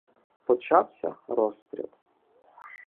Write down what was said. Почався розстріл.